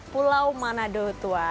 pulau manado tua